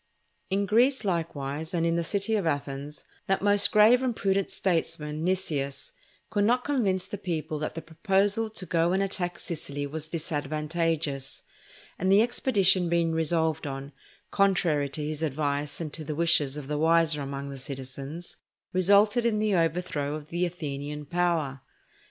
In Greece, likewise, and in the city of Athens, that most grave and prudent statesman, Nicias, could not convince the people that the proposal to go and attack Sicily was disadvantageous; and the expedition being resolved on, contrary to his advice and to the wishes of the wiser among the citizens, resulted in the overthrow of the Athenian power.